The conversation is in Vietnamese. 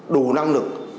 đủ năng lực